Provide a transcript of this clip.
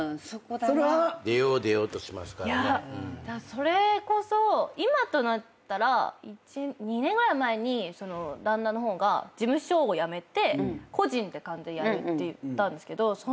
それこそ今となったら２年ぐらい前に旦那の方が事務所を辞めて個人で完全やるっていったんですけどその前。